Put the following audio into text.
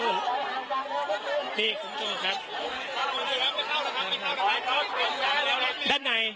นี่คุณผู้ชมครับ